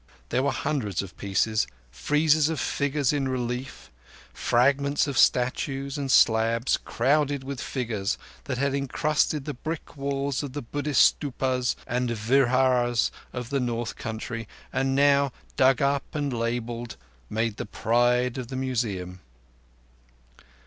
There were hundreds of pieces, friezes of figures in relief, fragments of statues and slabs crowded with figures that had encrusted the brick walls of the Buddhist stupas and viharas of the North Country and now, dug up and labelled, made the pride of the Museum.